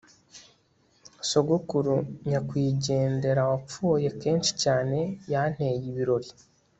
sogokuru nyakwigendera wapfuye, kenshi cyane, yanteye ibirori